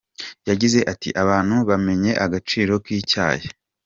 Yagize ati “Abantu bamenye agaciro k’icyayi.